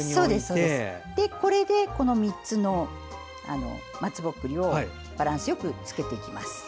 ３つの松ぼっくりをバランスよくつけていきます。